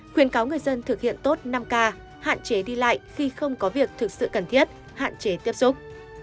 khuyến cáo người dân thực hiện tốt năm k hạn chế đi lại khi không có việc thực sự cần thiết hạn chế tiếp xúc